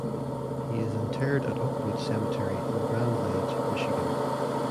He is interred at Oakwood Cemetery in Grand Ledge, Michigan.